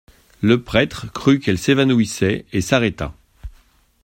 Le prêtre crut qu'elle s'évanouissait, et s'arrêta.